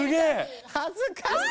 恥ずかしい！